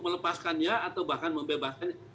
melepaskannya atau bahkan membebaskan